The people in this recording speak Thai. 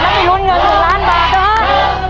และไม่รู้เงินหนึ่งล้านบาทนะคะ